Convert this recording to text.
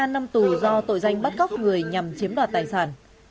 một mươi ba năm tù do tội danh bắt cóc người nhằm chiếm đoạt tài sản